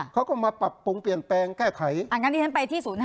เขาก็มาปรับปรุงเปลี่ยนแปลงแก้ไขอ่างั้นที่ฉันไปที่๐๕